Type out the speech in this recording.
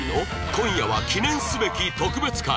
今夜は記念すべき特別回！